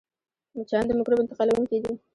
مچان د مکروب انتقالوونکي دي